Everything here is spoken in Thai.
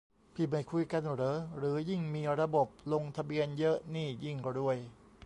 พี่ไม่คุยกันเหรอ หรือยิ่งมีระบบลงทะเบียนเยอะนี่ยิ่งรวย ?